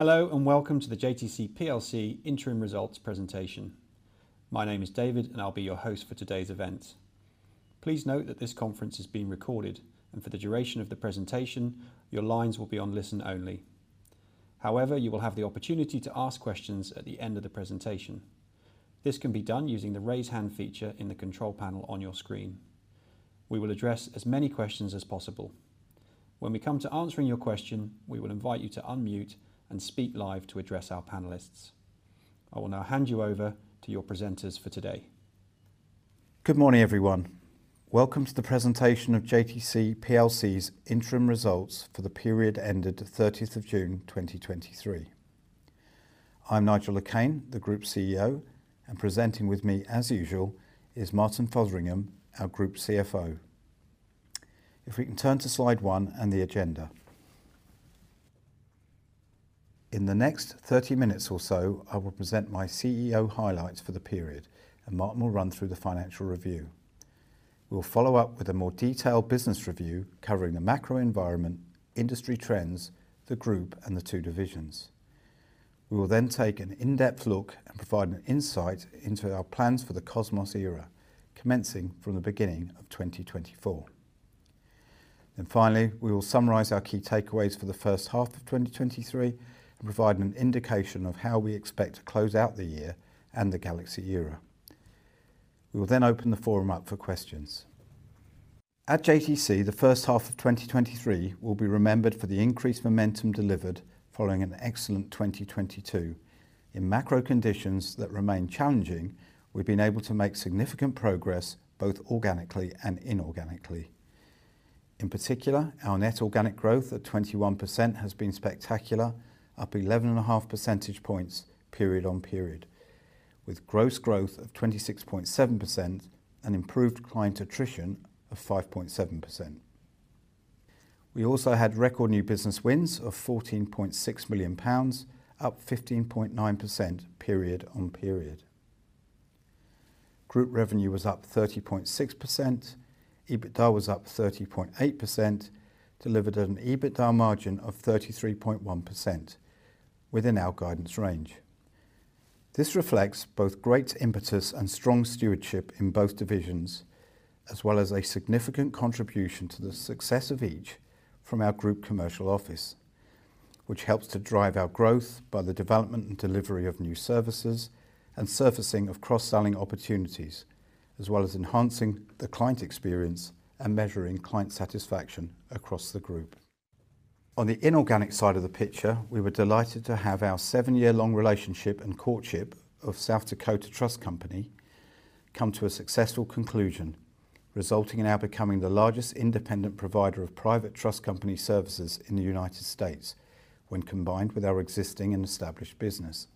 Hello, and welcome to the JTC PLC interim results presentation. My name is David, and I'll be your host for today's event. Please note that this conference is being recorded, and for the duration of the presentation, your lines will be on listen-only. However, you will have the opportunity to ask questions at the end of the presentation. This can be done using the Raise Hand feature in the control panel on your screen. We will address as many questions as possible. When we come to answering your question, we will invite you to unmute and speak live to address our panelists. I will now hand you over to your presenters for today. Good morning, everyone. Welcome to the presentation of JTC PLC's interim results for the period ended the June 30th, 2023. I'm Nigel Le Quesne, the Group CEO, and presenting with me, as usual, is Martin Fotheringham, our Group CFO. If we can turn to slide one and the agenda. In the next 30 minutes or so, I will present my CEO highlights for the period, and Martin will run through the financial review. We'll follow up with a more detailed business review covering the macro environment, industry trends, the group, and the two divisions. We will then take an in-depth look and provide an insight into our plans for the Cosmos Era, commencing from the beginning of 2024. Then finally, we will summarize our key takeaways for the first half of 2023 and provide an indication of how we expect to close out the year and the Galaxy Era. We will then open the forum up for questions. At JTC, the first half of 2023 will be remembered for the increased momentum delivered following an excellent 2022. In macro conditions that remain challenging, we've been able to make significant progress, both organically and inorganically. In particular, our net organic growth at 21% has been spectacular, up 11.5 percentage points, period-on-period, with gross growth of 26.7% and improved client attrition of 5.7%. We also had record new business wins of 14.6 million pounds, up 15.9%, period-on-period. Group revenue was up 30.6%. EBITDA was up 30.8%, delivered an EBITDA margin of 33.1% within our guidance range. This reflects both great impetus and strong stewardship in both divisions, as well as a significant contribution to the success of each from our group commercial office, which helps to drive our growth by the development and delivery of new services and surfacing of cross-selling opportunities, as well as enhancing the client experience and measuring client satisfaction across the group. On the inorganic side of the picture, we were delighted to have our seven-year-long relationship and courtship of South Dakota Trust Company come to a successful conclusion, resulting in our becoming the largest independent provider of private trust company services in the United States when combined with our existing and established business.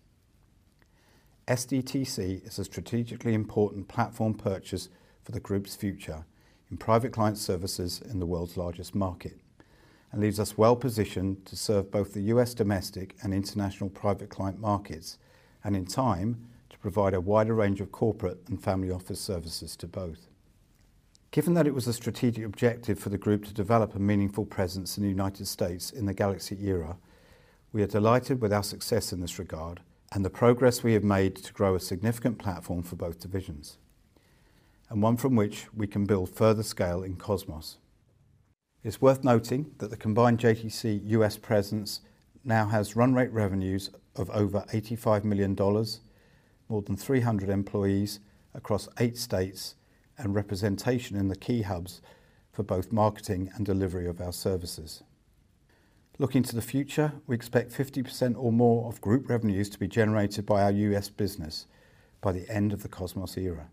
SDTC is a strategically important platform purchase for the group's future in Private Client Services in the world's largest market and leaves us well-positioned to serve both the U.S. domestic and international private client markets, and in time, to provide a wider range of corporate and family office services to both. Given that it was a strategic objective for the group to develop a meaningful presence in the United States in the Galaxy Era, we are delighted with our success in this regard and the progress we have made to grow a significant platform for both divisions, and one from which we can build further scale in Cosmos. It's worth noting that the combined JTC U.S. presence now has run-rate revenues of over $85 million, more than 300 employees across eight states, and representation in the key hubs for both marketing and delivery of our services. Looking to the future, we expect 50% or more of group revenues to be generated by our U.S. business by the end of the Cosmos Era.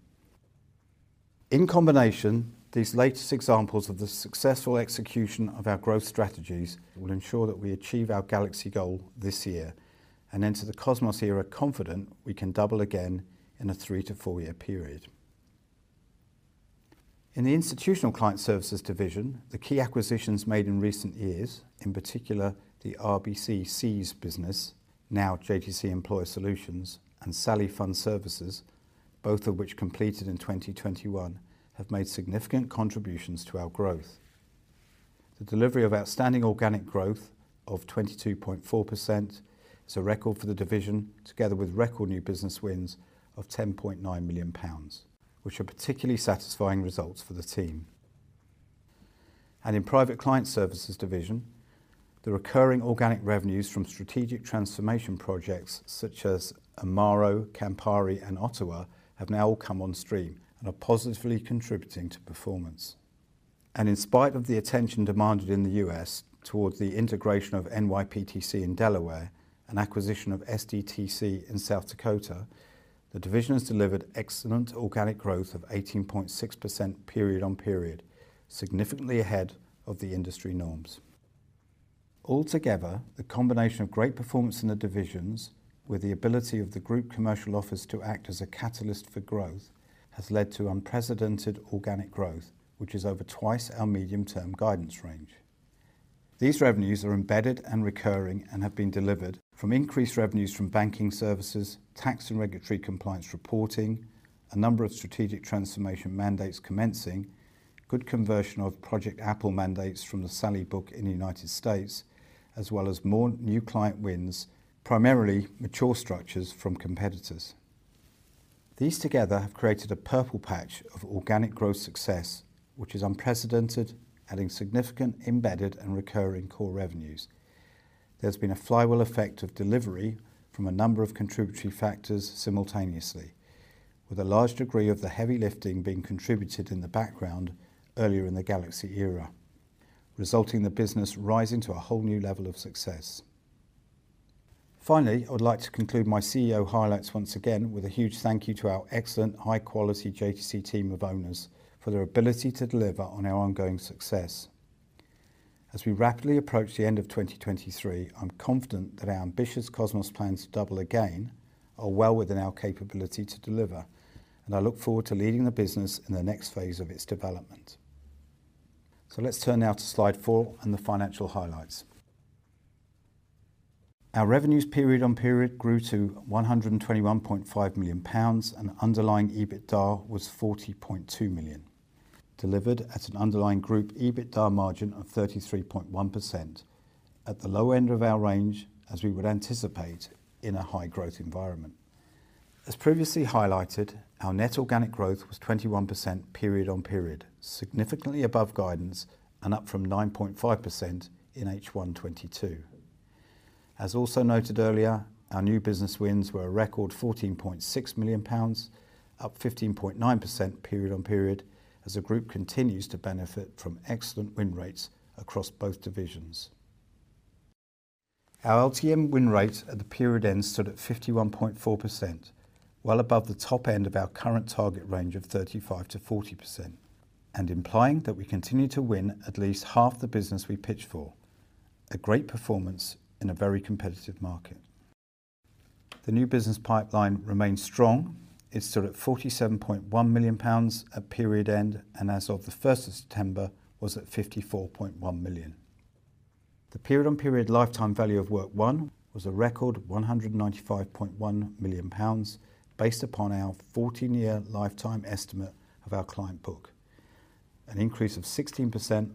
In combination, these latest examples of the successful execution of our growth strategies will ensure that we achieve our Galaxy goal this year and enter the Cosmos Era confident we can double again in a three- to four-year period. In the Institutional Client Services division, the key acquisitions made in recent years, in particular the RBC CEES business, now JTC Employer Solutions, and SALI Fund Management, both of which completed in 2021, have made significant contributions to our growth. The delivery of outstanding organic growth of 22.4% is a record for the division, together with record new business wins of 10.9 million pounds, which are particularly satisfying results for the team. In Private Client Services division, the recurring organic revenues from strategic transformation projects such as Amaro, Campari, and Ottawa, have now all come on stream and are positively contributing to performance. In spite of the attention demanded in the U.S. towards the integration of NYPTC in Delaware and acquisition of SDTC in South Dakota, the division has delivered excellent organic growth of 18.6% period-on-period, significantly ahead of the industry norms. Altogether, the combination of great performance in the divisions with the ability of the group commercial office to act as a catalyst for growth has led to unprecedented organic growth, which is over twice our medium-term guidance range. These revenues are embedded and recurring and have been delivered from increased revenues from banking services, tax and regulatory compliance reporting. A number of strategic transformation mandates commencing, good conversion of Project Apple mandates from the SALI book in the United States, as well as more new client wins, primarily mature structures from competitors. These together have created a purple patch of organic growth success, which is unprecedented, adding significant, embedded, and recurring core revenues. There's been a flywheel effect of delivery from a number of contributory factors simultaneously, with a large degree of the heavy lifting being contributed in the background earlier in the Galaxy Era, resulting in the business rising to a whole new level of success. Finally, I would like to conclude my CEO highlights once again with a huge thank you to our excellent, high-quality JTC team of owners for their ability to deliver on our ongoing success. As we rapidly approach the end of 2023, I'm confident that our ambitious Cosmos plans to double again are well within our capability to deliver, and I look forward to leading the business in the next phase of its development. Let's turn now to slide 4 and the financial highlights. Our revenues period-on-period grew to 121.5 million pounds, and underlying EBITDA was 40.2 million, delivered at an underlying group EBITDA margin of 33.1%, at the low end of our range, as we would anticipate in a high-growth environment. As previously highlighted, our net organic growth was 21% period-on-period, significantly above guidance and up from 9.5% in H1 2022. As also noted earlier, our new business wins were a record 14.6 million pounds, up 15.9% period-on-period, as the group continues to benefit from excellent win rates across both divisions. Our LTM win rate at the period end stood at 51.4%, well above the top end of our current target range of 35%-40%, and implying that we continue to win at least half the business we pitch for, a great performance in a very competitive market. The new business pipeline remains strong. It stood at 47.1 million pounds at period end, and as of the September 1st, was at 54.1 million. The period-on-period lifetime value of work won was a record 195.1 million pounds, based upon our 14-year lifetime estimate of our client book, an increase of 16%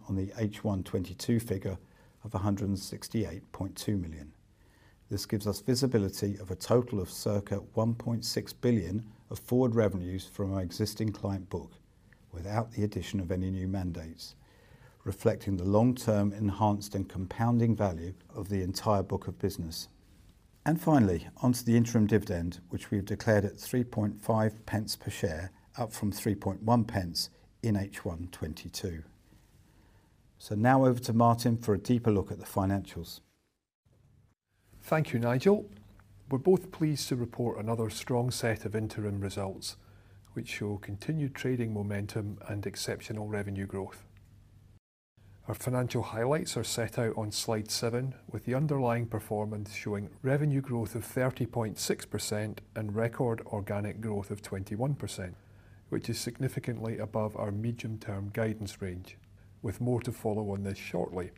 on the H1 2022 figure of 168.2 million. This gives us visibility of a total of circa 1.6 billion of forward revenues from our existing client book without the addition of any new mandates, reflecting the long-term, enhanced, and compounding value of the entire book of business. And finally, onto the interim dividend, which we have declared at 0.035 per share, up from 0.031 in H1 2022. So now over to Martin for a deeper look at the financials. Thank you, Nigel. We're both pleased to report another strong set of interim results, which show continued trading momentum and exceptional revenue growth. Our financial highlights are set out on slide seven, with the underlying performance showing revenue growth of 30.6% and record organic growth of 21%, which is significantly above our medium-term guidance range, with more to follow on this shortly.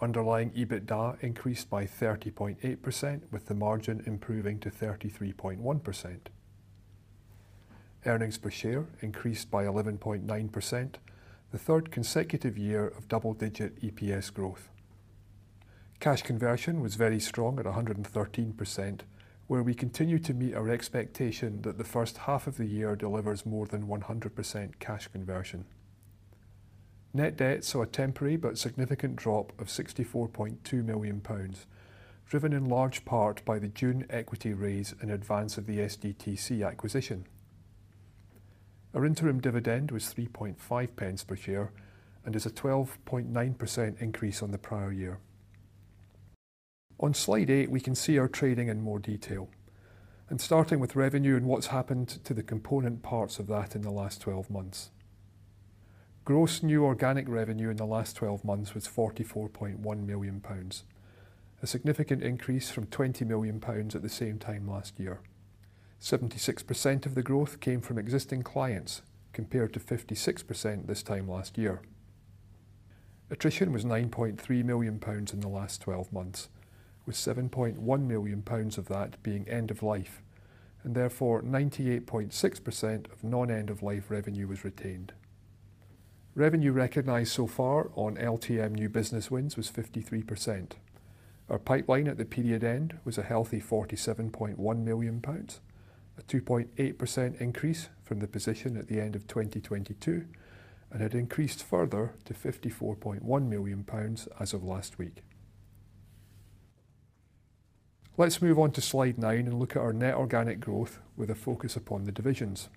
Underlying EBITDA increased by 30.8%, with the margin improving to 33.1%. Earnings per share increased by 11.9%, the third consecutive year of double-digit EPS growth. Cash conversion was very strong at 113%, where we continue to meet our expectation that the first half of the year delivers more than 100% cash conversion. Net debt saw a temporary but significant drop of 64.2 million pounds, driven in large part by the June equity raise in advance of the SDTC acquisition. Our interim dividend was 0.035 per share and is a 12.9% increase on the prior year. On slide eight, we can see our trading in more detail. Starting with revenue and what's happened to the component parts of that in the last 12 months. Gross new organic revenue in the last 12 months was 44.1 million pounds, a significant increase from 20 million pounds at the same time last year. 76% of the growth came from existing clients, compared to 56% this time last year. Attrition was 9.3 million pounds in the last twelve months, with 7.1 million pounds of that being end of life, and therefore, 98.6% of non-end of life revenue was retained. Revenue recognized so far on LTM new business wins was 53%. Our pipeline at the period end was a healthy 47.1 million pounds, a 2.8% increase from the position at the end of 2022, and had increased further to 54.1 million pounds as of last week. Let's move on to slide 9 and look at our net organic growth with a focus upon the divisions.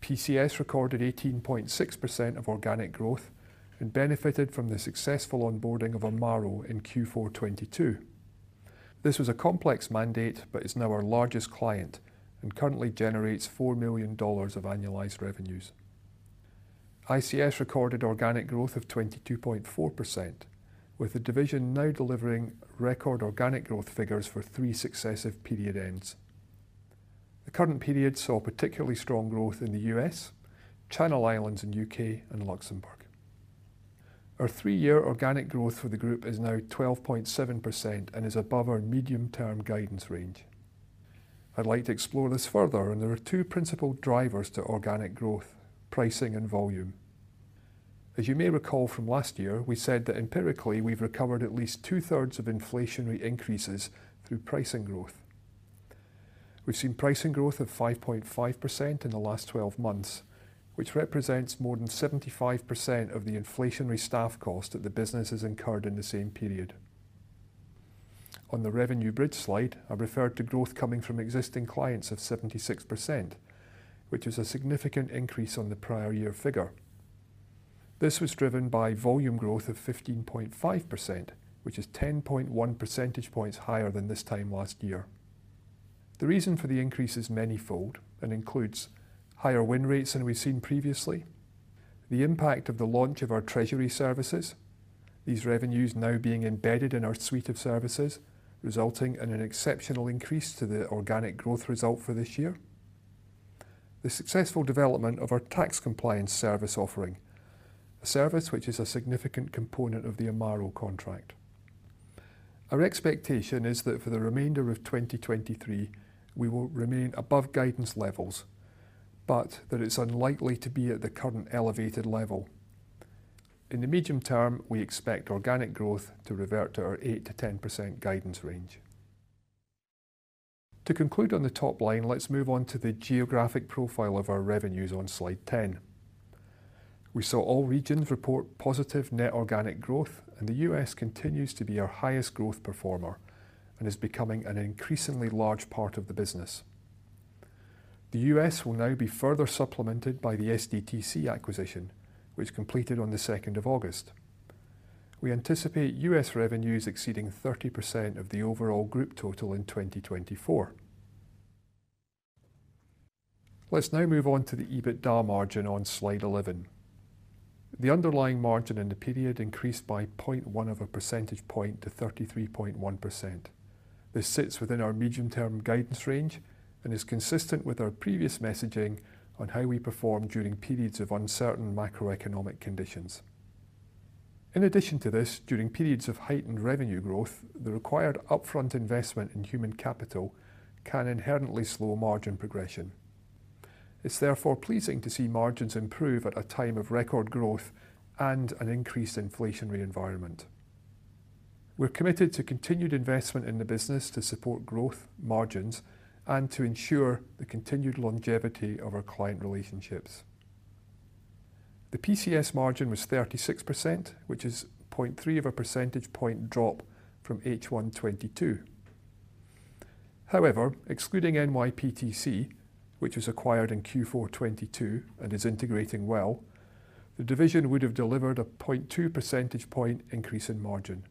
PCS recorded 18.6% of organic growth and benefited from the successful onboarding of Amaro in Q4 2022. This was a complex mandate, but is now our largest client and currently generates $4 million of annualized revenues. ICS recorded organic growth of 22.4%, with the division now delivering record organic growth figures for three successive period ends. The current period saw particularly strong growth in the U.S., Channel Islands and U.K., and Luxembourg. Our three-year organic growth for the group is now 12.7% and is above our medium-term guidance range. I'd like to explore this further, and there are two principal drivers to organic growth: pricing and volume. As you may recall from last year, we said that empirically, we've recovered at least 2/3 of inflationary increases through pricing growth. We've seen pricing growth of 5.5% in the last 12 months, which represents more than 75% of the inflationary staff cost that the business has incurred in the same period. On the revenue bridge slide, I referred to growth coming from existing clients of 76%, which is a significant increase on the prior year figure. This was driven by volume growth of 15.5%, which is 10.1 percentage points higher than this time last year. The reason for the increase is manyfold and includes higher win rates than we've seen previously, the impact of the launch of our treasury services, these revenues now being embedded in our suite of services, resulting in an exceptional increase to the organic growth result for this year. The successful development of our tax compliance service offering, a service which is a significant component of the Amaro contract. Our expectation is that for the remainder of 2023, we will remain above guidance levels, but that it's unlikely to be at the current elevated level. In the medium term, we expect organic growth to revert to our 8%-10% guidance range. To conclude on the top line, let's move on to the geographic profile of our revenues on slide 10. We saw all regions report positive net organic growth, and the U.S. continues to be our highest growth performer and is becoming an increasingly large part of the business. The U.S. will now be further supplemented by the SDTC acquisition, which completed on August 2nd. We anticipate U.S. revenues exceeding 30% of the overall group total in 2024. Let's now move on to the EBITDA margin on Slide 11. The underlying margin in the period increased by 0.1 of a percentage point to 33.1%. This sits within our medium-term guidance range and is consistent with our previous messaging on how we perform during periods of uncertain macroeconomic conditions. In addition to this, during periods of heightened revenue growth, the required upfront investment in human capital can inherently slow margin progression. It's therefore pleasing to see margins improve at a time of record growth and an increased inflationary environment. We're committed to continued investment in the business to support growth, margins, and to ensure the continued longevity of our client relationships. The PCS margin was 36%, which is 0.3 of a percentage point drop from H1 2022. However, excluding NYPTC, which was acquired in Q4 2022 and is integrating well, the division would have delivered a 0.2 percentage point increase in margin,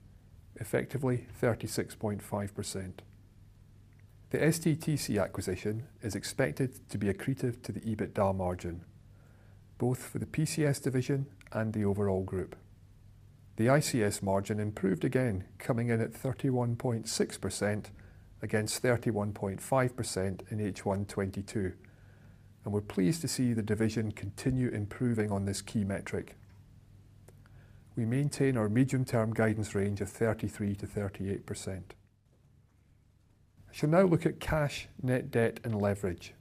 effectively 36.5%. The SDTC acquisition is expected to be accretive to the EBITDA margin, both for the PCS division and the overall group. The ICS margin improved again, coming in at 31.6% against 31.5% in H1 2022, and we're pleased to see the division continue improving on this key metric. We maintain our medium-term guidance range of 33%-38%. I shall now look at cash, net debt, and leverage.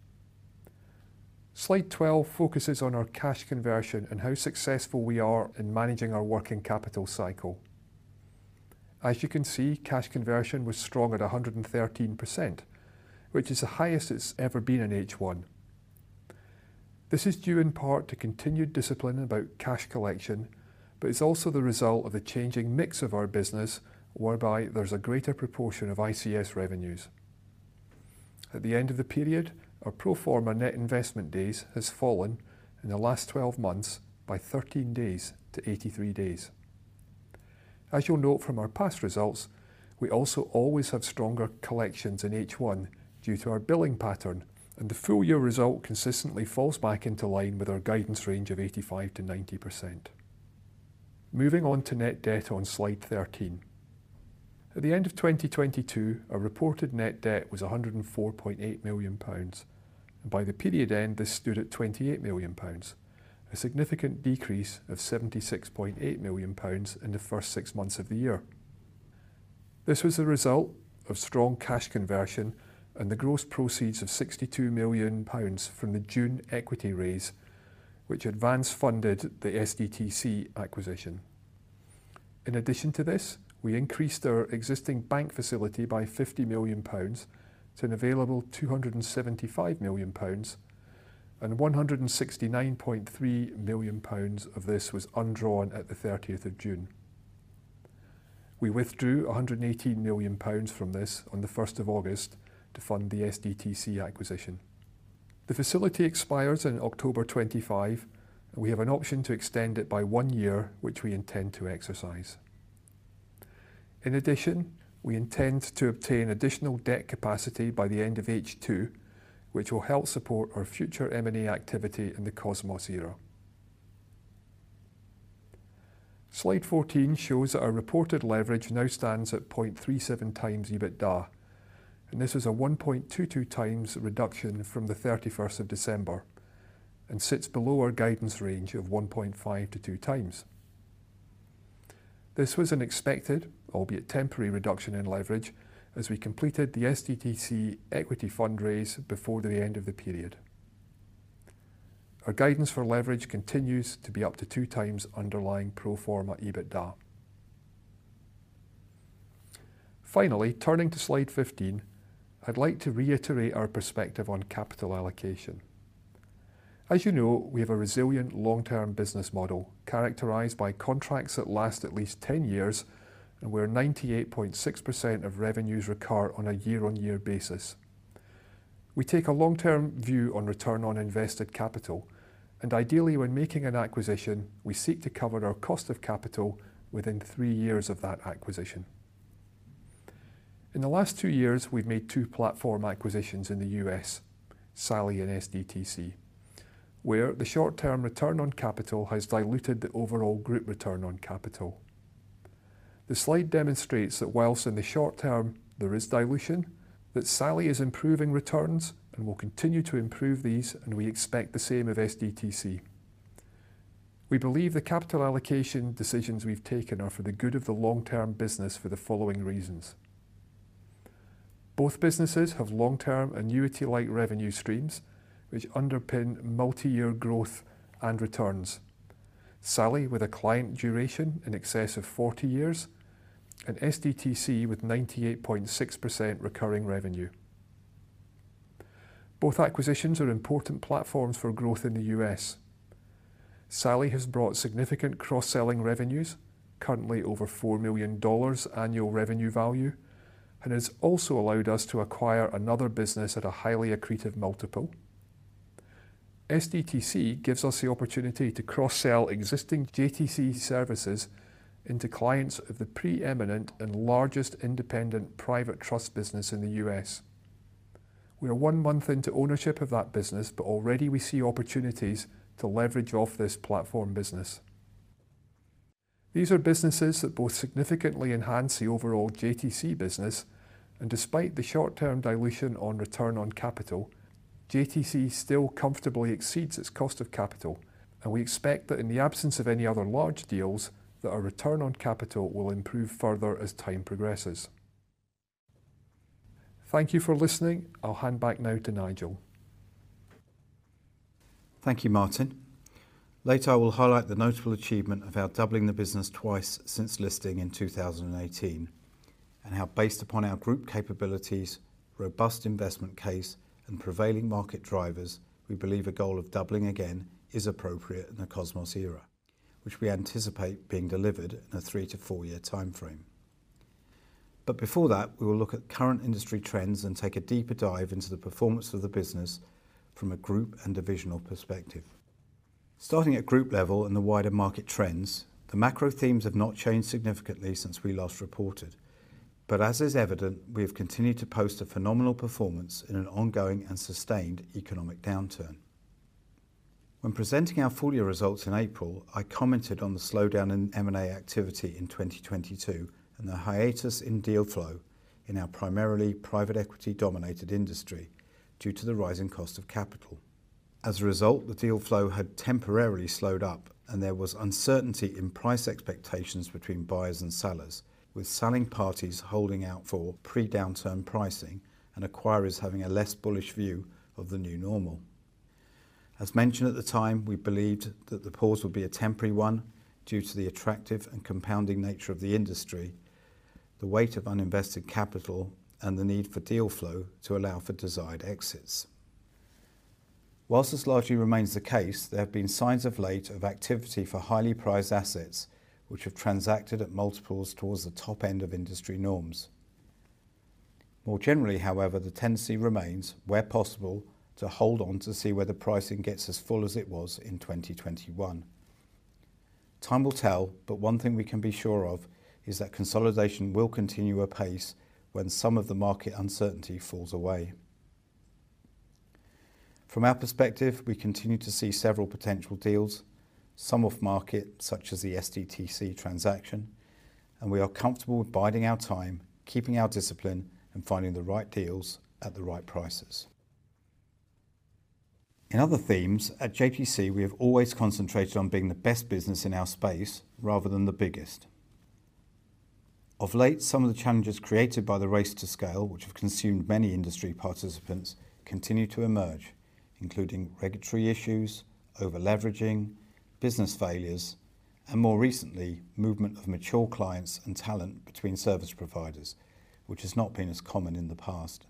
Slide 12 focuses on our cash conversion and how successful we are in managing our working capital cycle. As you can see, cash conversion was strong at 113%, which is the highest it's ever been in H1. This is due in part to continued discipline about cash collection, but it's also the result of the changing mix of our business, whereby there's a greater proportion of ICS revenues. At the end of the period, our pro forma net investment days has fallen in the last 12 months by 13 days to 83 days. As you'll note from our past results, we also always have stronger collections in H1 due to our billing pattern, and the full year result consistently falls back into line with our guidance range of 85%-90%. Moving on to net debt on slide 13. At the end of 2022, our reported net debt was 104.8 million pounds. By the period end, this stood at 28 million pounds, a significant decrease of 76.8 million pounds in the first six months of the year. This was a result of strong cash conversion and the gross proceeds of 62 million pounds from the June equity raise, which advance funded the SDTC acquisition. In addition to this, we increased our existing bank facility by 50 million pounds to an available 275 million pounds, and 169.3 million pounds of this was undrawn at the June 30th. We withdrew 118 million pounds from this on the August 1st to fund the SDTC acquisition. The facility expires in October 2025, and we have an option to extend it by 1 year, which we intend to exercise. In addition, we intend to obtain additional debt capacity by the end of H2, which will help support our future M&A activity in the Cosmos Era. Slide 14 shows that our reported leverage now stands at 0.37x EBITDA, and this is a 1.22x reduction from the December 31st, and sits below our guidance range of 1.5x-2x. This was an expected, albeit temporary, reduction in leverage as we completed the SDTC equity fundraise before the end of the period. Our guidance for leverage continues to be up to 2x underlying pro forma EBITDA. Finally, turning to Slide 15, I'd like to reiterate our perspective on capital allocation. As you know, we have a resilient long-term business model, characterized by contracts that last at least 10 years, and where 98.6% of revenues recur on a year-on-year basis. We take a long-term view on return on invested capital, and ideally, when making an acquisition, we seek to cover our cost of capital within three years of that acquisition. In the last two years, we've made two platform acquisitions in the U.S., SALI and SDTC, where the short-term return on capital has diluted the overall group return on capital. The slide demonstrates that while in the short term there is dilution, that SALI is improving returns and will continue to improve these, and we expect the same of SDTC. We believe the capital allocation decisions we've taken are for the good of the long-term business for the following reasons: Both businesses have long-term annuity-like revenue streams, which underpin multi-year growth and returns. SALI, with a client duration in excess of 40 years, and SDTC with 98.6% recurring revenue. Both acquisitions are important platforms for growth in the U.S. SALI has brought significant cross-selling revenues, currently over $4 million annual revenue value, and has also allowed us to acquire another business at a highly accretive multiple. SDTC gives us the opportunity to cross-sell existing JTC services into clients of the preeminent and largest independent private trust business in the U.S. We are one month into ownership of that business, but already we see opportunities to leverage off this platform business. These are businesses that both significantly enhance the overall JTC business, and despite the short-term dilution on return on capital, JTC still comfortably exceeds its cost of capital, and we expect that in the absence of any other large deals, that our return on capital will improve further as time progresses. Thank you for listening. I'll hand back now to Nigel. Thank you, Martin. Later, I will highlight the notable achievement of our doubling the business twice since listing in 2018, and how, based upon our group capabilities, robust investment case, and prevailing market drivers, we believe a goal of doubling again is appropriate in the Cosmos Era, which we anticipate being delivered in a three to four-year timeframe. But before that, we will look at current industry trends and take a deeper dive into the performance of the business from a group and divisional perspective. Starting at group level and the wider market trends, the macro themes have not changed significantly since we last reported, but as is evident, we have continued to post a phenomenal performance in an ongoing and sustained economic downturn. When presenting our full year results in April, I commented on the slowdown in M&A activity in 2022 and the hiatus in deal flow in our primarily private equity-dominated industry due to the rising cost of capital. As a result, the deal flow had temporarily slowed up, and there was uncertainty in price expectations between buyers and sellers, with selling parties holding out for pre-downturn pricing and acquirers having a less bullish view of the new normal. As mentioned at the time, we believed that the pause would be a temporary one due to the attractive and compounding nature of the industry, the weight of uninvested capital, and the need for deal flow to allow for desired exits. Whilst this largely remains the case, there have been signs, of late, of activity for highly prized assets, which have transacted at multiples towards the top end of industry norms. More generally, however, the tendency remains, where possible, to hold on to see whether pricing gets as full as it was in 2021. Time will tell, but one thing we can be sure of is that consolidation will continue apace when some of the market uncertainty falls away. From our perspective, we continue to see several potential deals, some off-market, such as the SDTC transaction, and we are comfortable with biding our time, keeping our discipline, and finding the right deals at the right prices. In other themes, at JTC, we have always concentrated on being the best business in our space rather than the biggest. Of late, some of the challenges created by the race to scale, which have consumed many industry participants, continue to emerge, including regulatory issues, over-leveraging, business failures, and more recently, movement of mature clients and talent between service providers, which has not been as common in the past.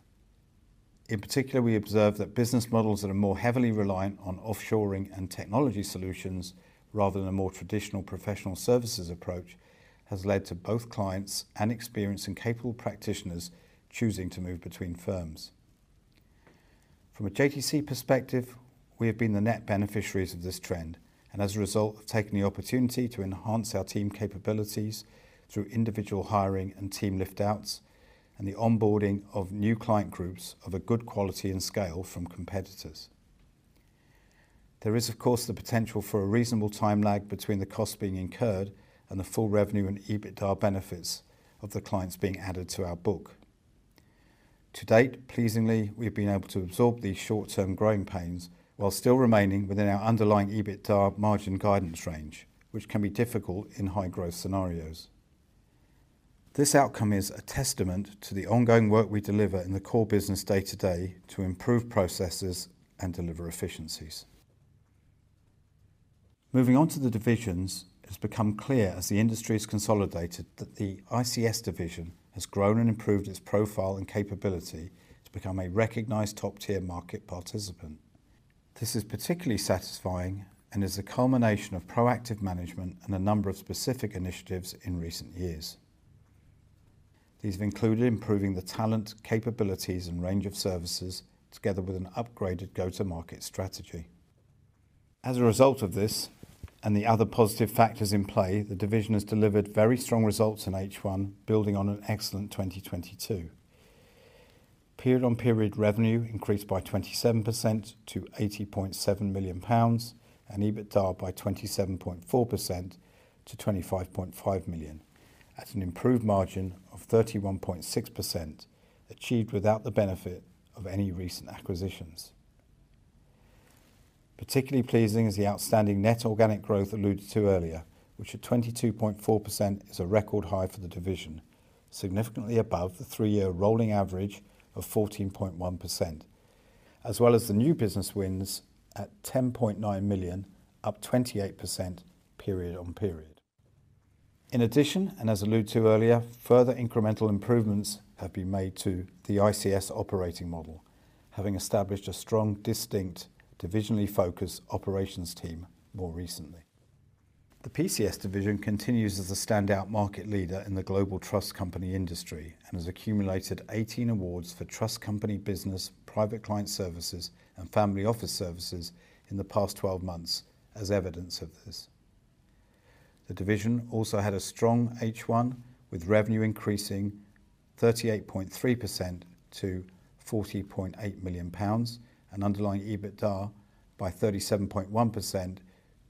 In particular, we observe that business models that are more heavily reliant on offshoring and technology solutions rather than a more traditional professional services approach, has led to both clients and experienced and capable practitioners choosing to move between firms. From a JTC perspective, we have been the net beneficiaries of this trend, and as a result, have taken the opportunity to enhance our team capabilities through individual hiring and team lift outs, and the onboarding of new client groups of a good quality and scale from competitors.... There is, of course, the potential for a reasonable time lag between the costs being incurred and the full revenue and EBITDA benefits of the clients being added to our book. To date, pleasingly, we've been able to absorb these short-term growing pains while still remaining within our underlying EBITDA margin guidance range, which can be difficult in high-growth scenarios. This outcome is a testament to the ongoing work we deliver in the core business day-to-day to improve processes and deliver efficiencies. Moving on to the divisions, it's become clear as the industry has consolidated, that the ICS division has grown and improved its profile and capability to become a recognized top-tier market participant. This is particularly satisfying and is a culmination of proactive management and a number of specific initiatives in recent years. These have included improving the talent, capabilities, and range of services, together with an upgraded go-to-market strategy. As a result of this and the other positive factors in play, the division has delivered very strong results in H1, building on an excellent 2022. Period-on-period revenue increased by 27% to 80.7 million pounds, and EBITDA by 27.4% to 25.5 million, at an improved margin of 31.6%, achieved without the benefit of any recent acquisitions. Particularly pleasing is the outstanding net organic growth alluded to earlier, which at 22.4%, is a record high for the division, significantly above the 3-year rolling average of 14.1%, as well as the new business wins at 10.9 million, up 28% period-on-period. In addition, and as alluded to earlier, further incremental improvements have been made to the ICS operating model, having established a strong, distinct, divisionally focused operations team more recently. The PCS division continues as a standout market leader in the global trust company industry and has accumulated 18 awards for trust company business, Private Client Services, and family office services in the past 12 months as evidence of this. The division also had a strong H1, with revenue increasing 38.3% to 40.8 million pounds and underlying EBITDA by 37.1%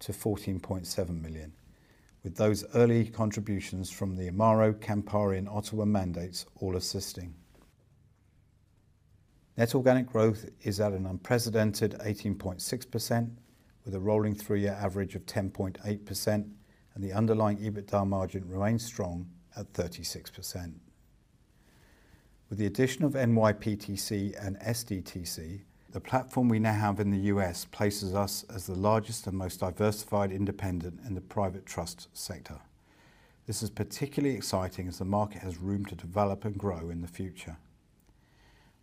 to 14.7 million, with those early contributions from the Amaro, Campari, and Ottawa mandates all assisting. Net organic growth is at an unprecedented 18.6%, with a rolling three-year average of 10.8%, and the underlying EBITDA margin remains strong at 36%. With the addition of NYPTC and SDTC, the platform we now have in the U.S. places us as the largest and most diversified independent in the private trust sector. This is particularly exciting as the market has room to develop and grow in the future.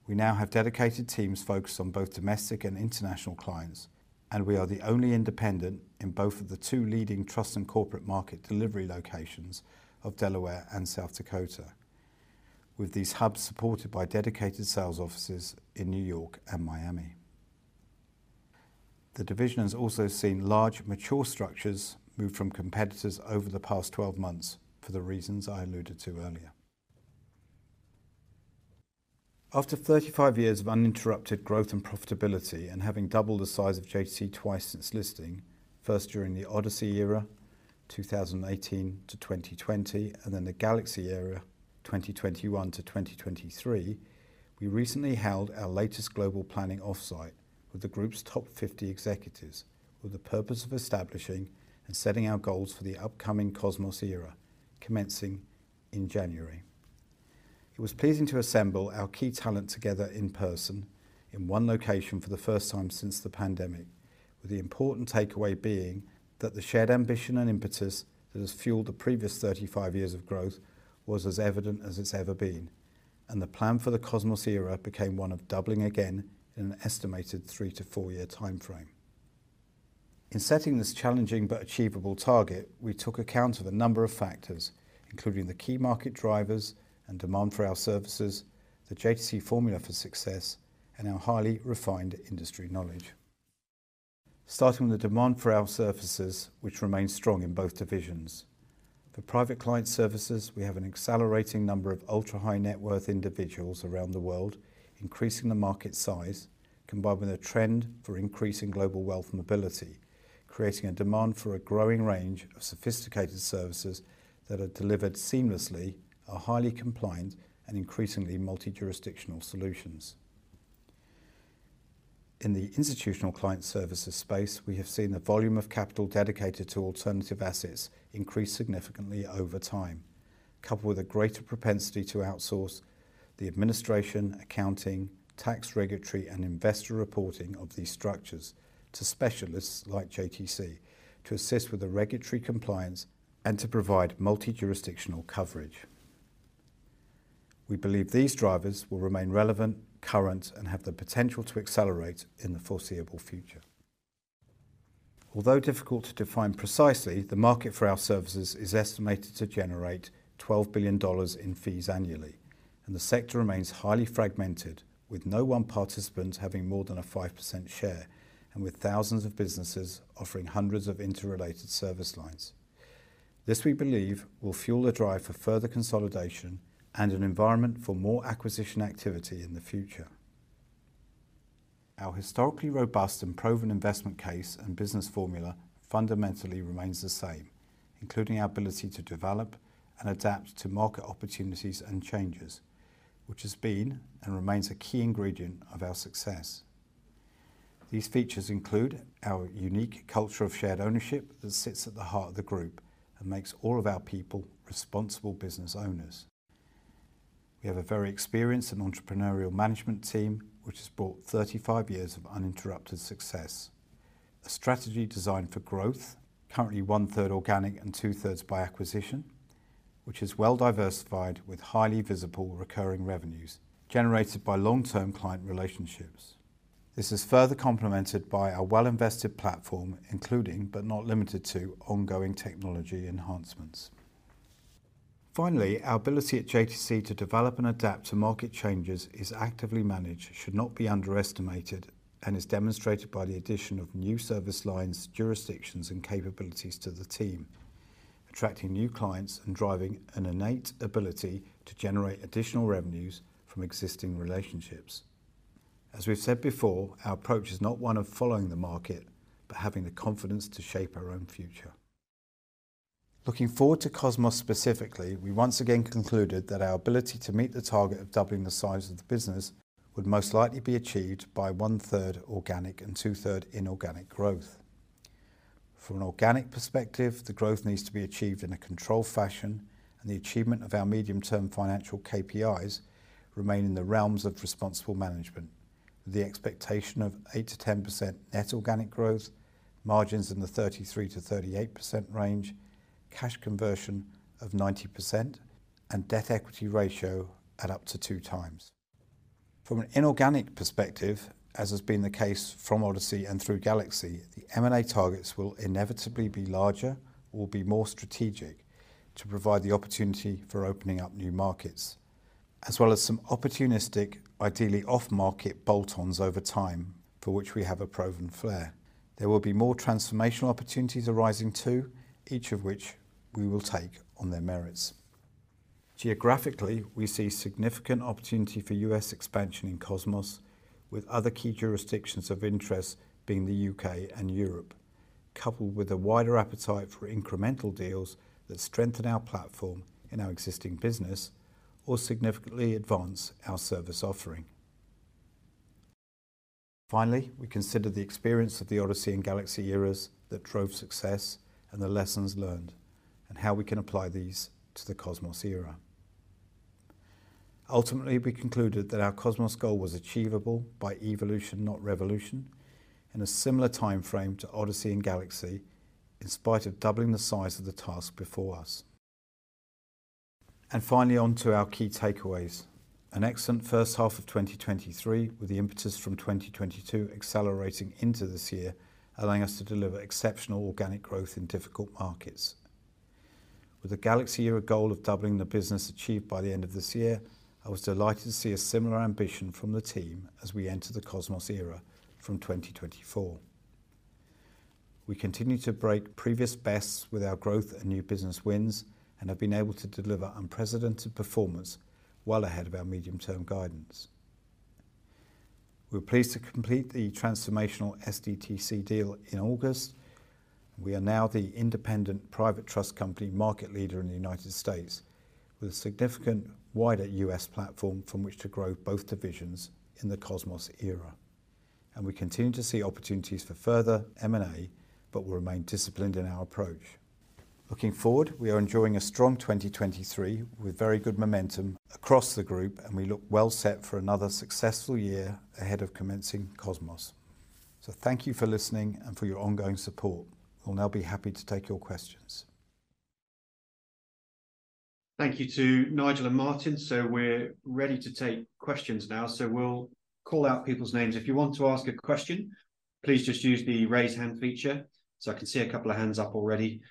We now have dedicated teams focused on both domestic and international clients, and we are the only independent in both of the two leading trust and corporate market delivery locations of Delaware and South Dakota, with these hubs supported by dedicated sales offices in New York and Miami. The division has also seen large, mature structures move from competitors over the past 12 months for the reasons I alluded to earlier. After 35 years of uninterrupted growth and profitability and having doubled the size of JTC twice since listing, first during the Odyssey Era, 2018 to 2020, and then the Galaxy Era, 2021 to 2023, we recently held our latest global planning off-site with the group's top 50 executives, with the purpose of establishing and setting our goals for the upcoming Cosmos Era, commencing in January. It was pleasing to assemble our key talent together in person, in one location for the first time since the pandemic, with the important takeaway being that the shared ambition and impetus that has fueled the previous 35 years of growth was as evident as it's ever been, and the plan for the Cosmos Era became one of doubling again in an estimated three- to four-year timeframe. In setting this challenging but achievable target, we took account of a number of factors, including the key market drivers and demand for our services, the JTC formula for success, and our highly refined industry knowledge. Starting with the demand for our services, which remains strong in both divisions. For Private Client Services, we have an accelerating number of ultra-high net worth individuals around the world, increasing the market size, combined with a trend for increasing global wealth mobility, creating a demand for a growing range of sophisticated services that are delivered seamlessly, are highly compliant, and increasingly multi-jurisdictional solutions. In the institutional client services space, we have seen the volume of capital dedicated to alternative assets increase significantly over time, coupled with a greater propensity to outsource the administration, accounting, tax, regulatory, and investor reporting of these structures to specialists like JTC to assist with the regulatory compliance and to provide multi-jurisdictional coverage. We believe these drivers will remain relevant, current, and have the potential to accelerate in the foreseeable future. Although difficult to define precisely, the market for our services is estimated to generate $12 billion in fees annually, and the sector remains highly fragmented, with no one participant having more than a 5% share and with thousands of businesses offering hundreds of interrelated service lines.... This, we believe, will fuel the drive for further consolidation and an environment for more acquisition activity in the future. Our historically robust and proven investment case and business formula fundamentally remains the same, including our ability to develop and adapt to market opportunities and changes, which has been and remains a key ingredient of our success. These features include our unique culture of shared ownership that sits at the heart of the group and makes all of our people responsible business owners. We have a very experienced and entrepreneurial management team, which has brought 35 years of uninterrupted success. A strategy designed for growth, currently one third organic and two thirds by acquisition, which is well diversified with highly visible recurring revenues generated by long-term client relationships. This is further complemented by our well-invested platform, including, but not limited to, ongoing technology enhancements. Finally, our ability at JTC to develop and adapt to market changes is actively managed, should not be underestimated, and is demonstrated by the addition of new service lines, jurisdictions, and capabilities to the team, attracting new clients and driving an innate ability to generate additional revenues from existing relationships. As we've said before, our approach is not one of following the market, but having the confidence to shape our own future. Looking forward to Cosmos specifically, we once again concluded that our ability to meet the target of doubling the size of the business would most likely be achieved by one-third organic and two-thirds inorganic growth. From an organic perspective, the growth needs to be achieved in a controlled fashion, and the achievement of our medium-term financial KPIs remain in the realms of responsible management. The expectation of 8%-10% net organic growth, margins in the 33%-38% range, cash conversion of 90%, and debt equity ratio at up to 2x. From an inorganic perspective, as has been the case from Odyssey and through Galaxy, the M&A targets will inevitably be larger or will be more strategic to provide the opportunity for opening up new markets, as well as some opportunistic, ideally off-market bolt-ons over time, for which we have a proven flair. There will be more transformational opportunities arising, too, each of which we will take on their merits. Geographically, we see significant opportunity for U.S. expansion in Cosmos, with other key jurisdictions of interest being the U.K. and Europe, coupled with a wider appetite for incremental deals that strengthen our platform in our existing business or significantly advance our service offering. Finally, we consider the experience of the Odyssey and Galaxy Eras that drove success, and the lessons learned, and how we can apply these to the Cosmos Era. Ultimately, we concluded that our Cosmos goal was achievable by evolution, not revolution, in a similar timeframe to Odyssey and Galaxy, in spite of doubling the size of the task before us. Finally, on to our key takeaways. An excellent first half of 2023, with the impetus from 2022 accelerating into this year, allowing us to deliver exceptional organic growth in difficult markets. With the Galaxy year goal of doubling the business achieved by the end of this year, I was delighted to see a similar ambition from the team as we enter the Cosmos Era from 2024. We continue to break previous bests with our growth and new business wins, and have been able to deliver unprecedented performance well ahead of our medium-term guidance. We were pleased to complete the transformational SDTC deal in August. We are now the independent private trust company market leader in the United States, with a significant wider U.S. platform from which to grow both divisions in the Cosmos Era. We continue to see opportunities for further M&A, but will remain disciplined in our approach. Looking forward, we are enjoying a strong 2023, with very good momentum across the group, and we look well set for another successful year ahead of commencing Cosmos. Thank you for listening and for your ongoing support. We'll now be happy to take your questions. Thank you to Nigel and Martin. So we're ready to take questions now, so we'll call out people's names. If you want to ask a question, please just use the Raise Hand feature. So I can see a couple of hands up already.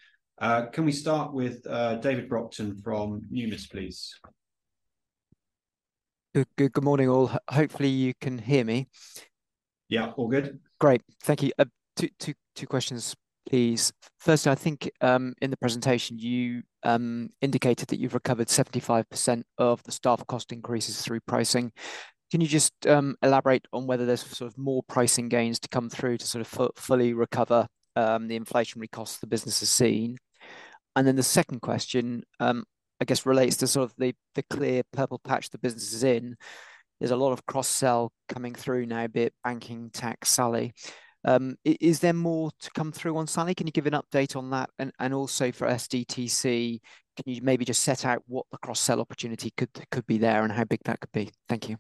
Can we start with David Brockton from Numis, please? Good, good, good morning, all. Hopefully, you can hear me. Yeah, all good. Great. Thank you. Two questions, please. Firstly, I think in the presentation, you indicated that you've recovered 75% of the staff cost increases through pricing. Can you just elaborate on whether there's sort of more pricing gains to come through to sort of fully recover the inflationary costs the business has seen? And then the second question, I guess relates to sort of the, the clear purple patch the business is in. There's a lot of cross-sell coming through now, a bit banking, tax, SALI. Is there more to come through on SALI? Can you give an update on that? And also for SDTC, can you maybe just set out what the cross-sell opportunity could be there and how big that could be? Thank you.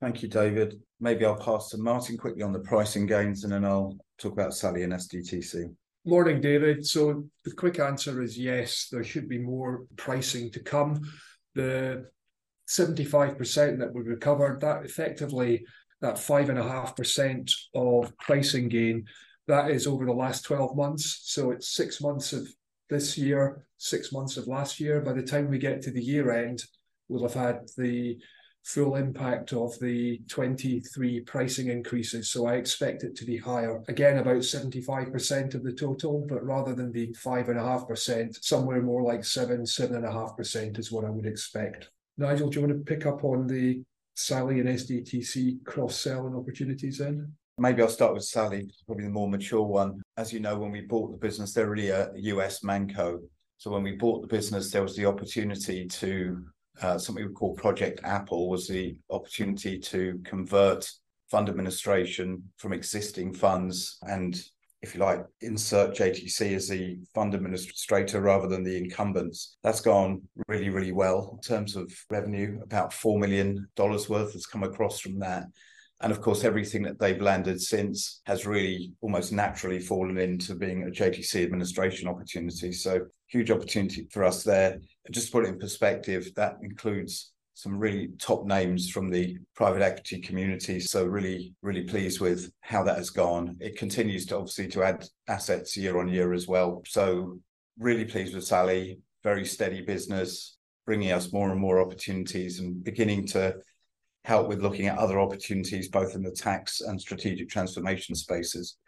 Thank you, David. Maybe I'll pass to Martin quickly on the pricing gains, and then I'll talk about SALI and SDTC. Morning, David. So the quick answer is yes, there should be more pricing to come. The 75% that we've recovered, that effectively... That 5.5% of pricing gain, that is over the last 12 months. So it's six months of-... this year, six months of last year. By the time we get to the year-end, we'll have had the full impact of the 2023 pricing increases, so I expect it to be higher. Again, about 75% of the total, but rather than the 5.5%, somewhere more like 7%-7.5% is what I would expect. Nigel, do you want to pick up on the SALI and SDTC cross-selling opportunities then? Maybe I'll start with SALI, probably the more mature one. As you know, when we bought the business, they're really a U.S. ManCo. So when we bought the business, there was the opportunity to, something we call Project Apple, was the opportunity to convert fund administration from existing funds. And if you like, insert JTC as the fund administrator rather than the incumbents. That's gone really, really well. In terms of revenue, about $4 million worth has come across from that. And of course, everything that they've landed since has really almost naturally fallen into being a JTC administration opportunity. So huge opportunity for us there. Just to put it in perspective, that includes some really top names from the private equity community. So really, really pleased with how that has gone. It continues to, obviously, to add assets year on year as well. So really pleased with SALI Very steady business, bringing us more and more opportunities, and beginning to help with looking at other opportunities, both in the tax and strategic transformation spaces.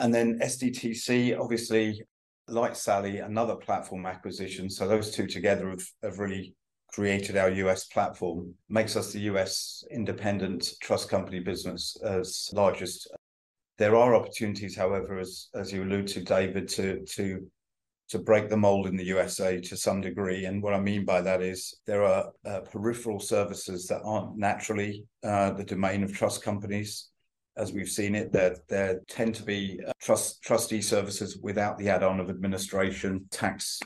And then SDTC, obviously, like SALI another platform acquisition, so those two together have really created our U.S. platform. Makes us the U.S. independent trust company business as largest. There are opportunities, however, as you alluded, David, to break the mold in the USA to some degree. And what I mean by that is, there are peripheral services that aren't naturally the domain of trust companies. As we've seen it, there tend to be trustee services without the add-on of administration, tax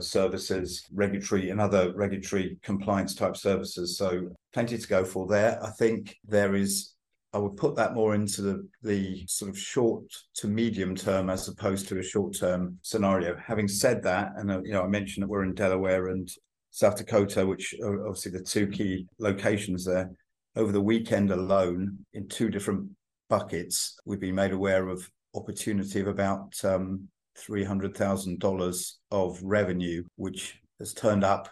services, regulatory and other regulatory compliance-type services, so plenty to go for there. I think there is... I would put that more into the, the sort of short to medium-term, as opposed to a short-term scenario. Having said that, and, you know, I mentioned that we're in Delaware and South Dakota, which are obviously the two key locations there. Over the weekend alone, in two different buckets, we've been made aware of opportunity of about $300,000 of revenue, which has turned up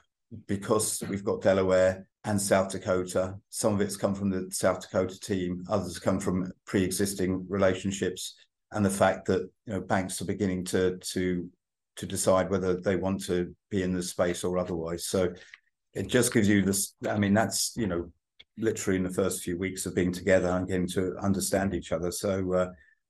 because we've got Delaware and South Dakota. Some of it's come from the South Dakota team, others come from pre-existing relationships, and the fact that, you know, banks are beginning to, to, to decide whether they want to be in this space or otherwise. So it just gives you the—I mean, that's, you know, literally in the first few weeks of being together and getting to understand each other. So,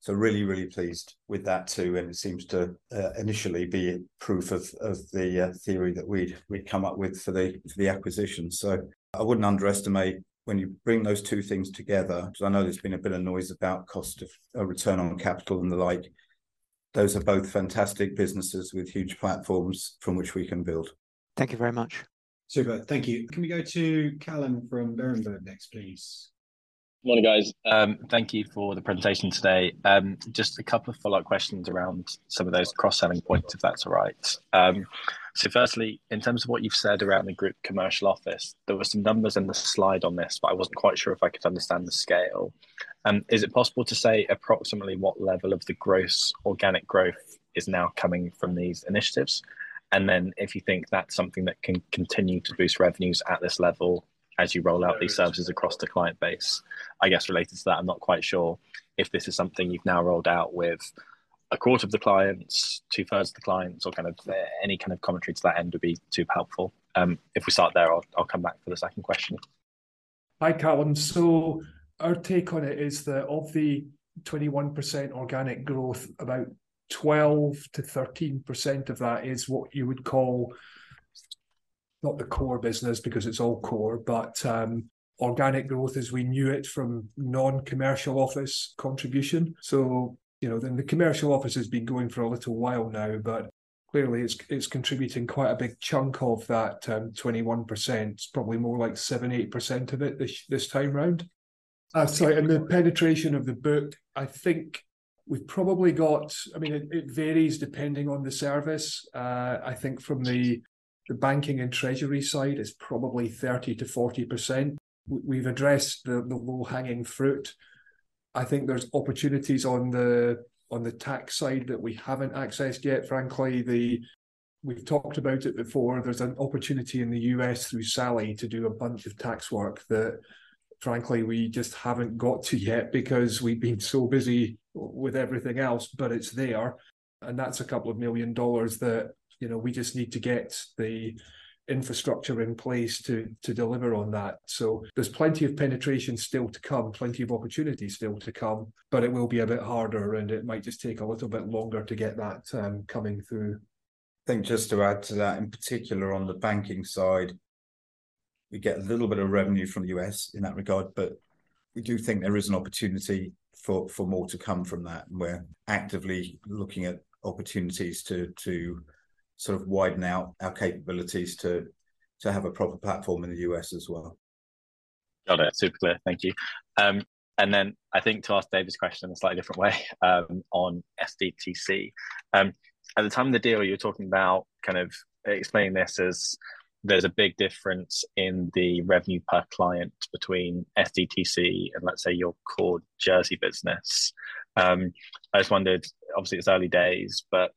so really, really pleased with that, too, and it seems to, initially be proof of, of the, theory that we'd, we'd come up with for the, for the acquisition. So I wouldn't underestimate when you bring those two things together, because I know there's been a bit of noise about cost of, return on capital and the like. Those are both fantastic businesses with huge platforms from which we can build. Thank you very much. Super. Thank you. Can we go to Calum from Berenberg next, please? Morning, guys. Thank you for the presentation today. Just a couple of follow-up questions around some of those cross-selling points, if that's all right. So firstly, in terms of what you've said around the group commercial office, there were some numbers in the slide on this, but I wasn't quite sure if I could understand the scale. Is it possible to say approximately what level of the gross organic growth is now coming from these initiatives? And then if you think that's something that can continue to boost revenues at this level as you roll out these services across the client base. I guess related to that, I'm not quite sure if this is something you've now rolled out with a quarter of the clients, two-thirds of the clients, or kind of, any kind of commentary to that end would be super helpful. If we start there, I'll come back for the second question. Hi, Calum. So our take on it is that of the 21% organic growth, about 12%-13% of that is what you would call, not the core business, because it's all core, but organic growth as we knew it from non-commercial office contribution. So, you know, then the commercial office has been going for a little while now, but clearly, it's contributing quite a big chunk of that 21%. It's probably more like 7%-8% of it this time round. So in the penetration of the book, I think we've probably got... I mean, it varies depending on the service. I think from the banking and treasury side, it's probably 30%-40%. We've addressed the low-hanging fruit. I think there's opportunities on the tax side that we haven't accessed yet, frankly. We've talked about it before. There's an opportunity in the U.S. through SALI to do a bunch of tax work that, frankly, we just haven't got to yet because we've been so busy with everything else, but it's there, and that's $2 million that, you know, we just need to get the infrastructure in place to, to deliver on that. So there's plenty of penetration still to come, plenty of opportunities still to come, but it will be a bit harder, and it might just take a little bit longer to get that, coming through. I think just to add to that, in particular on the banking side, we get a little bit of revenue from the U.S. in that regard, but we do think there is an opportunity for more to come from that. We're actively looking at opportunities to sort of widen out our capabilities to have a proper platform in the U.S. as well. Got it. Super clear. Thank you. And then I think to ask David's question in a slightly different way, on SDTC. At the time of the deal, you were talking about kind of explaining this as there's a big difference in the revenue per client between SDTC and, let's say, your core Jersey business. I just wondered, obviously, it's early days, but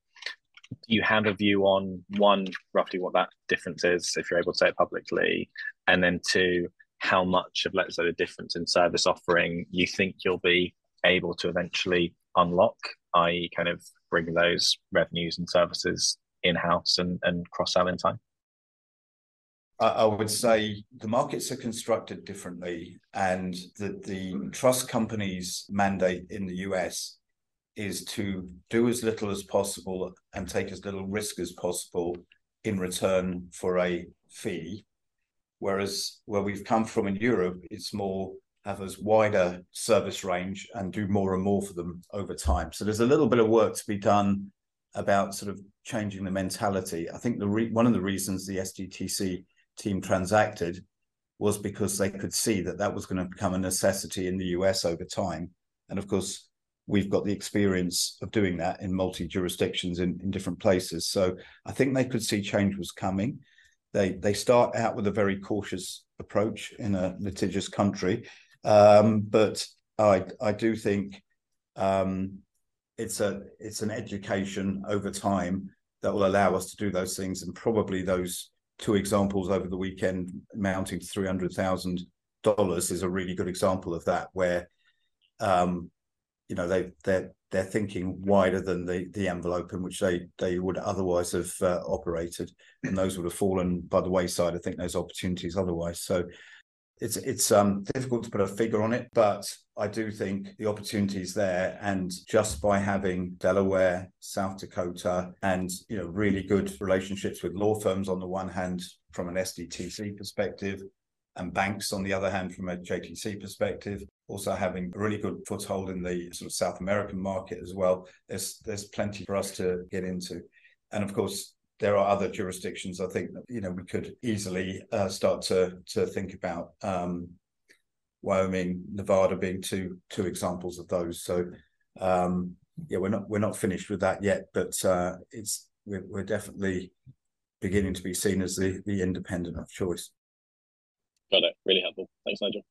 do you have a view on, one, roughly what that difference is, if you're able to say it publicly? And then two, how much of, let's say, the difference in service offering you think you'll be able to eventually unlock, i.e., kind of bring those revenues and services in-house and, and cross-selling time? I would say the markets are constructed differently, and that the trust company's mandate in the U.S. is to do as little as possible and take as little risk as possible in return for a fee. Whereas, where we've come from in Europe, it's more have a wider service range and do more and more for them over time. So there's a little bit of work to be done about sort of changing the mentality. I think one of the reasons the SDTC team transacted was because they could see that that was gonna become a necessity in the U.S. over time. And of course, we've got the experience of doing that in multi jurisdictions in different places. So I think they could see change was coming. They start out with a very cautious approach in a litigious country. But I do think it's an education over time that will allow us to do those things, and probably those two examples over the weekend amounting to $300,000 is a really good example of that. Where, you know, they're thinking wider than the envelope in which they would otherwise have operated, and those would have fallen by the wayside, I think, those opportunities otherwise. So it's difficult to put a figure on it, but I do think the opportunity is there. And just by having Delaware, South Dakota, and, you know, really good relationships with law firms on the one hand from an SDTC perspective, and banks on the other hand from a JTC perspective, also having a really good foothold in the sort of South American market as well, there's plenty for us to get into. And of course, there are other jurisdictions I think that, you know, we could easily start to think about, Wyoming, Nevada being two examples of those. So, yeah, we're not finished with that yet, but we're definitely beginning to be seen as the independent of choice. Got it. Really helpful. Thanks, Nigel.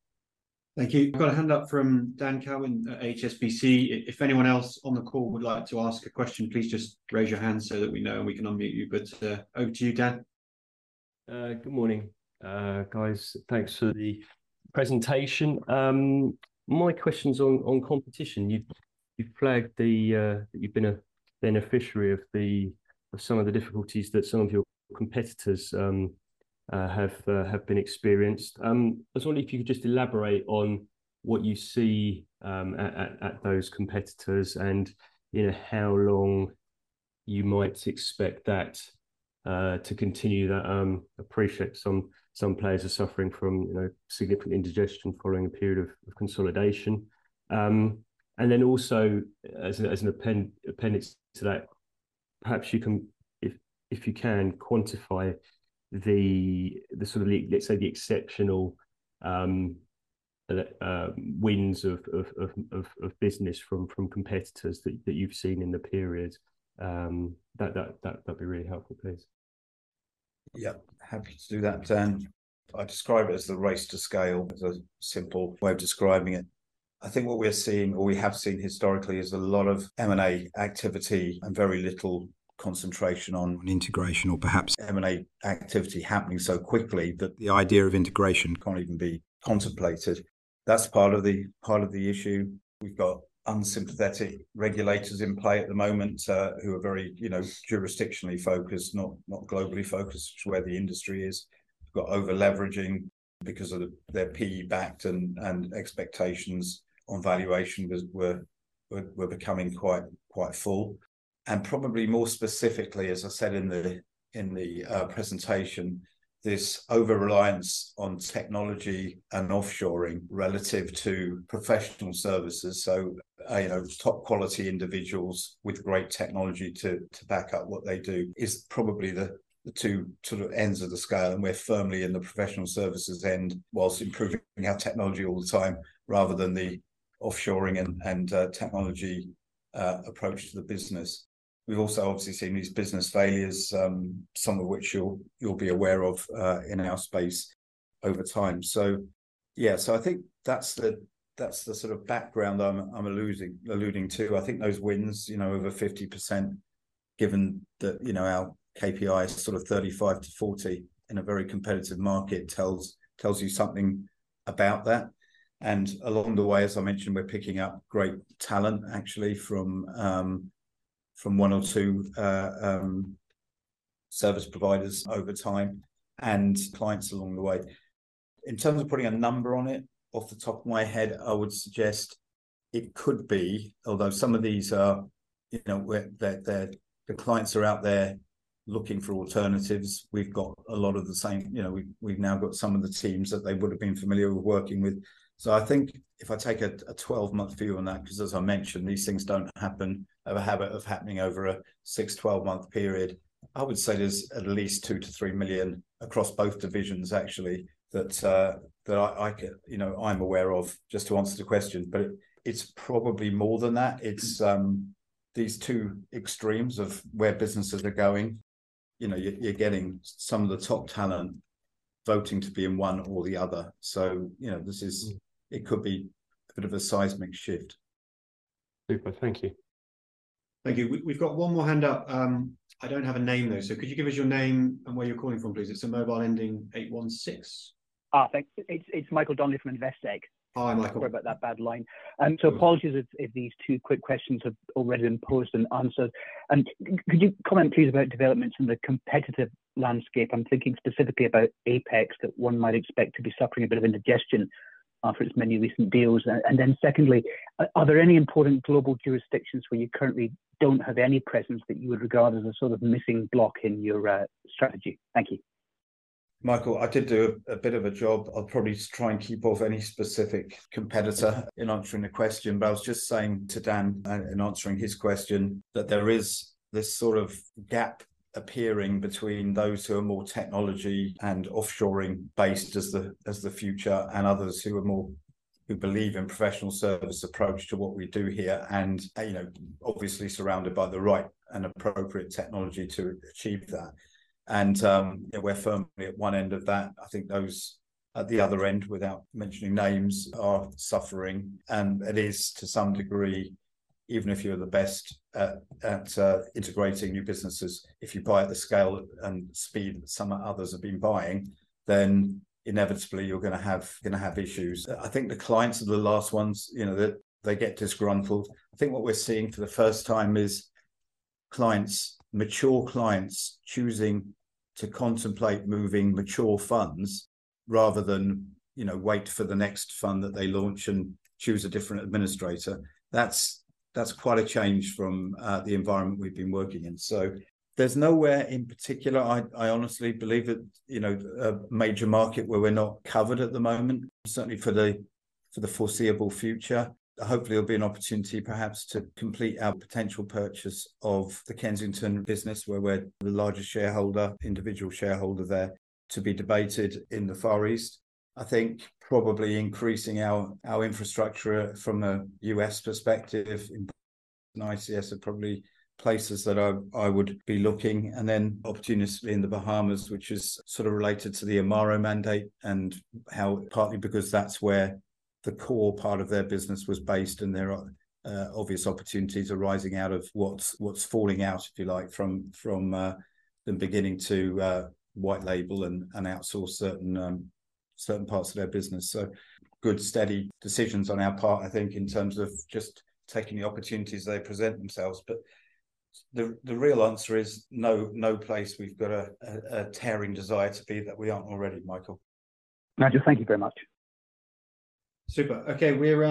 Thank you. I've got a hand up from Dan Cowan at HSBC. If anyone else on the call would like to ask a question, please just raise your hand so that we know, and we can unmute you. But, over to you, Dan. Good morning, guys. Thanks for the presentation. My question's on competition. You've flagged that you've been a beneficiary of some of the difficulties that some of your competitors have experienced. I was wondering if you could just elaborate on what you see at those competitors and, you know, how long you might expect that to continue. I appreciate some players are suffering from, you know, significant indigestion following a period of consolidation. And then also as an appendix to that, perhaps you can, if you can, quantify the sort of like, let's say, the exceptional wins of business from competitors that you've seen in the period. That'd be really helpful, please. Yep, happy to do that, Dan. I'd describe it as the race to scale, as a simple way of describing it. I think what we're seeing, or we have seen historically, is a lot of M&A activity and very little concentration on integration or perhaps M&A activity happening so quickly that the idea of integration can't even be contemplated. That's part of the, part of the issue. We've got unsympathetic regulators in play at the moment, who are very, you know, jurisdictionally focused, not globally focused where the industry is. We've got over-leveraging because of they're PE backed and expectations on valuation were becoming quite full. And probably more specifically, as I said in the presentation, this over-reliance on technology and offshoring relative to professional services. So, you know, top-quality individuals with great technology to back up what they do is probably the two sort of ends of the scale, and we're firmly in the professional services end, while improving our technology all the time, rather than the offshoring and technology approach to the business. We've also obviously seen these business failures, some of which you'll be aware of, in our space over time. So yeah, so I think that's the sort of background I'm alluding to. I think those wins, you know, over 50%, given that, you know, our KPI is sort of 35-40 in a very competitive market, tells you something about that. And along the way, as I mentioned, we're picking up great talent, actually, from one or two service providers over time and clients along the way. In terms of putting a number on it, off the top of my head, I would suggest it could be... although some of these are, you know, where the clients are out there looking for alternatives. We've got a lot of the same- you know, we've now got some of the teams that they would have been familiar with working with. So I think if I take a 12-month view on that, 'cause as I mentioned, these things don't happen- have a habit of happening over a six- to 12-month period. I would say there's at least 2 million-3 million across both divisions, actually, that I can... You know, I'm aware of, just to answer the question, but it, it's probably more than that. It's these two extremes of where businesses are going. You know, you're, you're getting some of the top talent voting to be in one or the other. So, you know, this is it could be a bit of a seismic shift. Super. Thank you. Thank you. We, we've got one more hand up. I don't have a name, though. So could you give us your name and where you're calling from, please? It's a mobile ending 816. Ah, thanks. It's, it's Michael Donnelly from Investec. Hi, Michael. Sorry about that bad line. No worries. Apologies if these two quick questions have already been posed and answered. Could you comment, please, about developments in the competitive landscape? I'm thinking specifically about Apex, that one might expect to be suffering a bit of indigestion after its many recent deals. And then secondly, are there any important global jurisdictions where you currently don't have any presence that you would regard as a sort of missing block in your strategy? Thank you. Michael, I did do a bit of a job. I'll probably try and keep off any specific competitor in answering the question. But I was just saying to Dan, in answering his question, that there is this sort of gap appearing between those who are more technology and offshoring-based as the future, and others who believe in professional service approach to what we do here, and, you know, obviously surrounded by the right and appropriate technology to achieve that. And we're firmly at one end of that. I think those at the other end, without mentioning names, are suffering. And it is, to some degree, even if you're the best at integrating new businesses, if you buy at the scale and speed that some others have been buying, then inevitably you're gonna have issues. I think the clients are the last ones, you know, that they get disgruntled. I think what we're seeing for the first time is clients, mature clients, choosing to contemplate moving mature funds rather than, you know, wait for the next fund that they launch and choose a different administrator. That's, that's quite a change from the environment we've been working in. So there's nowhere in particular I, I honestly believe that, you know, a major market where we're not covered at the moment, certainly for the, for the foreseeable future. Hopefully, there'll be an opportunity perhaps to complete our potential purchase of the Kensington business, where we're the largest shareholder, individual shareholder there, to be debated in the Far East. I think probably increasing our, our infrastructure from a U.S. perspective in ICS are probably places that I, I would be looking. Then opportunistically in the Bahamas, which is sort of related to the Amaro mandate, and how partly because that's where the core part of their business was based, and there are obvious opportunities arising out of what's falling out, if you like, from them beginning to white label and outsource certain parts of their business. So good, steady decisions on our part, I think, in terms of just taking the opportunities as they present themselves. But the real answer is no, no place we've got a tearing desire to be that we aren't already, Michael. Thank you. Thank you very much. Super. Okay, we're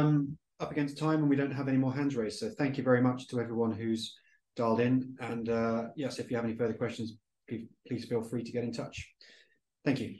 up against time, and we don't have any more hands raised. So thank you very much to everyone who's dialed in and, yes, if you have any further questions, please feel free to get in touch. Thank you.